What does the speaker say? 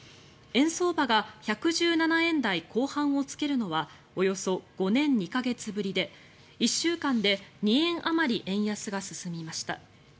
円相場が１１７円台後半をつけるのはおよそ５年２か月ぶりで１週間で２円あまり円安が進みました。